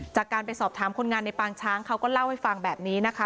จากการไปสอบถามคนงานในปางช้างเขาก็เล่าให้ฟังแบบนี้นะคะ